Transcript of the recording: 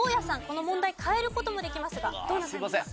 この問題変える事もできますがどうなさいますか？